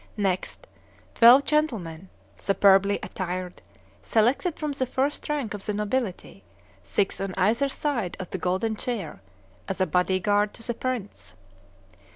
Next, twelve gentlemen, superbly attired, selected from the first rank of the nobility, six on either side of the golden chair, as a body guard to the prince.